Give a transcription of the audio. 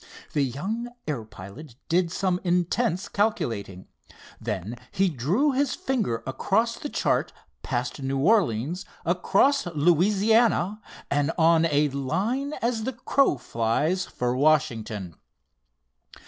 The young air pilot did some intense calculating. Then he drew his finger across the chart past New Orleans, across Louisiana, and on a line as the crow flies for Washington.